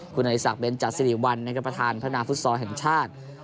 คุณฤษักร์เบนจัดซิริวัลประธานพรรณาฟุตซอร์แห่งชาติ